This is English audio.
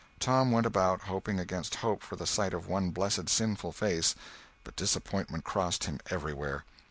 Tom went about, hoping against hope for the sight of one blessed sinful face, but disappointment crossed him everywhere.